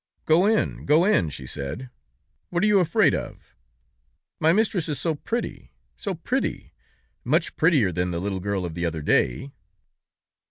"'Go in! Go in!' she said. 'What are you afraid of? My mistress is so pretty, so pretty, much prettier than the little girl of the other day.'